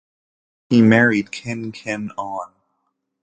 He married Khin Khin Ohn.